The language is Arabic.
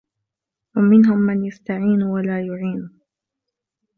وَمِنْهُمْ مَنْ يَسْتَعِينُ وَلَا يُعِينُ